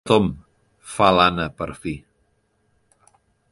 Pobre Tom –fa l'Anna per fi.